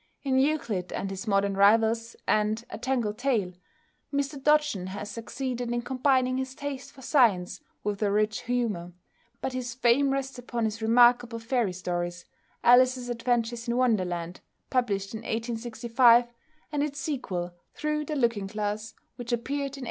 In "Euclid and his Modern Rivals" and "A Tangled Tale," Mr Dodgson has succeeded in combining his taste for science with a rich humour, but his fame rests upon his remarkable fairy stories, "Alice's Adventures in Wonderland," published in 1865, and its sequel, "Through the Looking Glass," which appeared in 1872.